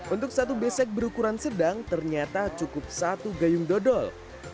untuk satu besek berukuran sedang ternyata cukup satu gayung dodol